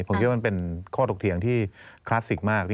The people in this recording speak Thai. ผมคิดว่ามันเป็นข้อตกเถียงที่คลาสสิกมาก